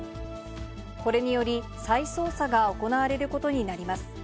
これにより、再捜査が行われることになります。